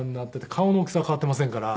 顔の大きさは変わっていませんから。